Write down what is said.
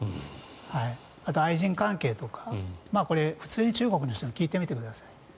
あと愛人関係とか普通に中国の人に聞いてみてください。